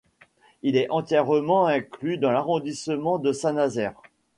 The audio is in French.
Il est entièrement inclus dans l'arrondissement de Saint-Nazaire.